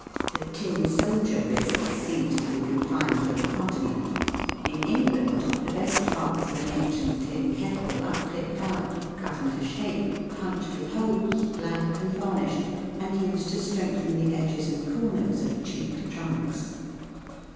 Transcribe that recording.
The tin soldier business seems to be eon fined to the Continent ; in England the best parts of an ancient tin kettle are clipped out, cut into shape, punched with holes, blacked and varnished, and used to strengthen the edges and comers of cheap trunks.